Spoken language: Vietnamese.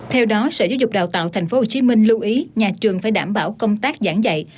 theo đó sở giáo dục đào tạo tp hcm lưu ý nhà trường phải đảm bảo công tác giảng dạy